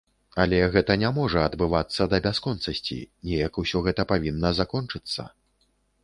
Але гэта не можа адбывацца да бясконцасці, неяк усё гэта павінна закончыцца.